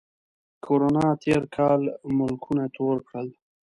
کرونا تېر کال ملکونه تور کړل